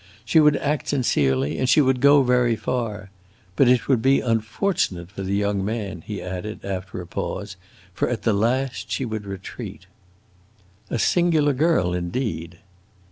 She would act sincerely and she would go very far. But it would be unfortunate for the young man," he added, after a pause, "for at the last she would retreat!" "A singular girl, indeed!"